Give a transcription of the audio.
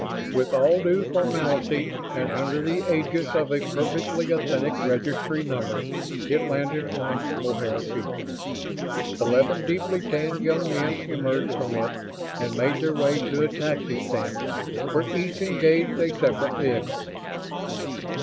With all due formality and under the aegis of a perfectly authentic Registry Number it landed on O'Hare Field. Eleven deeply tanned young men emerged from it and made their way to a taxi stand, where each engaged a separate vehicle.